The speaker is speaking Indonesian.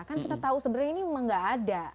kan kita tahu sebenarnya ini emang gak ada